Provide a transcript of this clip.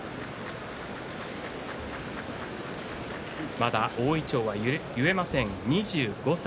まだ大いちょうが結えません２５歳。